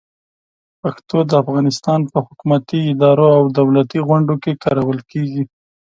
پښتو د افغانستان په حکومتي ادارو او دولتي غونډو کې کارول کېږي.